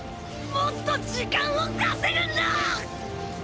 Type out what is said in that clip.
もっと時間を稼ぐんだ！！